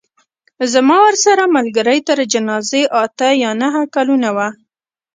زما ورسره ملګرۍ تر جنازې اته یا نهه کلونه وه.